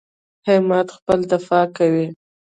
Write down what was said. همت خپله دفاع کوي.